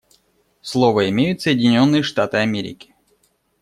Слово имеют Соединенные Штаты Америки.